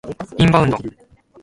インバウンド